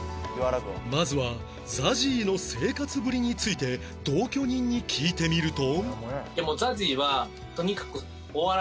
まずは ＺＡＺＹ の生活ぶりについて同居人に聞いてみると